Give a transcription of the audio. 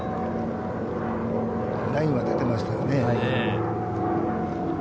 ラインは出ていましたよね。